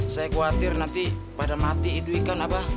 saya khawatir nanti pada mati itu ikan apa